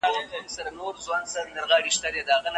د تجربي پروژو موثریت د معلوماتو په دقیق تحلیل پورې تړاو لري.